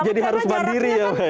jadi harus mandiri ya mbak ya